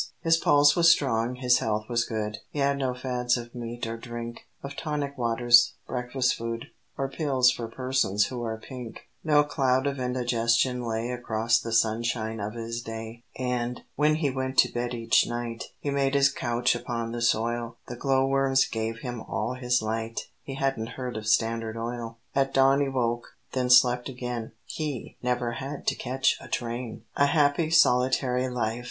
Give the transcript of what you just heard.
His pulse was strong, his health was good, He had no fads of meat or drink, Of tonic waters, Breakfast Food, Or Pills for Persons who are Pink; No cloud of indigestion lay Across the sunshine of his day. And, when he went to bed each night, He made his couch upon the soil; The glow worms gave him all his light, (He hadn't heard of Standard Oil); At dawn he woke, then slept again, He never had to catch a train! [Illustration: "When Eve appeared upon the scene."] A happy, solitary life!